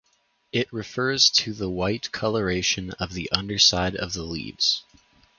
It refers to the white colouration of the underside of the leaves.